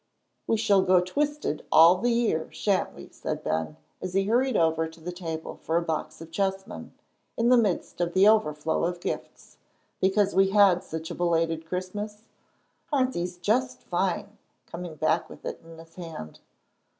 "We shall go twisted all the year, shan't we," said Ben, as he hurried over to the table for a box of chessmen, in the midst of the overflow of gifts, "because we had such a belated Christmas? Aren't these just fine?" coming back with it in his hand.